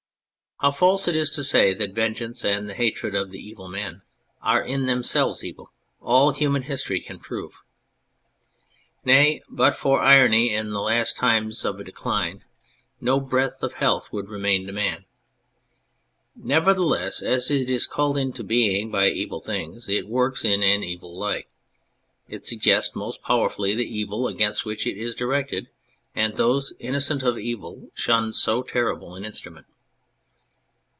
How false it is to say that vengeance and the hatred the evil men are in themselves evil, all human histoi can prove. Nay, but for irony in the last times ot a decline no breath of health would remain to man. Nevertheless, as it is called into being by evil things, it works in an evil light. It suggests most power fully the evil against which it is directed, and those innocent of evil shun so terrible an instrument.